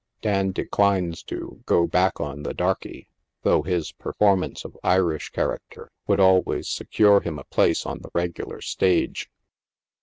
Dan declines to " go back on" the darkey, though his performance of Irish character would always secure him a place on the regular stage.